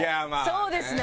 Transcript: そうですね。